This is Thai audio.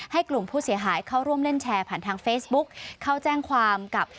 กลุ่มผู้เสียหายเข้าร่วมเล่นแชร์ผ่านทางเฟซบุ๊คเข้าแจ้งความกับ